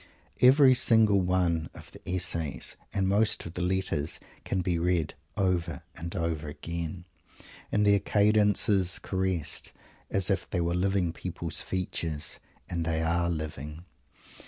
Every single one of the "essays" and most of the "letters" can be read over and over again, and their cadences caressed as if they were living people's features. And they are living.